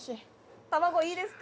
卵いいですか？